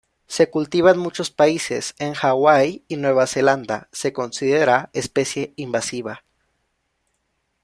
Se cultiva en muchos países, en Hawái y Nueva Zelanda se considera especie invasiva.